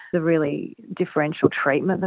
penyelidikan yang sangat berbeza